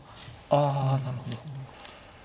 あなるほど。